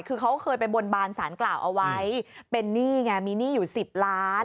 คือเขาเคยไปบนบานสารกล่าวเอาไว้เป็นหนี้ไงมีหนี้อยู่๑๐ล้าน